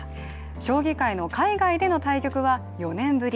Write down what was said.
将棋界の海外での対局は４年ぶり。